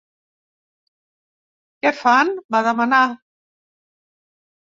Què fan? —va demanar.